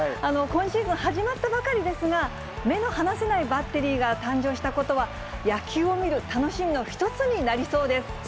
今シーズン始まったばかりですが、目の離せないバッテリーが誕生したことは、野球を見る楽しみの一つになりそうです。